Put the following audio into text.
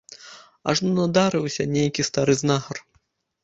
Ажно надарыўся нейкі стары знахар.